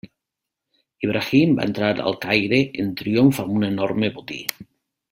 Ibrahim va entrar al Caire en triomf amb un enorme botí.